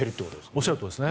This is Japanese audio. おっしゃるとおりです。